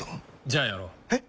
じゃあやろう。え？